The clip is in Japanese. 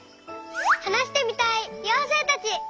はなしてみたいようせいたち！